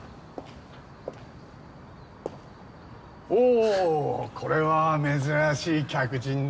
おこれは珍しい客人だ。